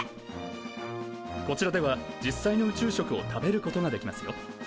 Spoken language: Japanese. こちらでは実際の宇宙食を食べることができますよ。